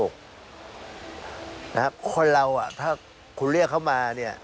คนเราถ้าคุณเรียกเข้ามา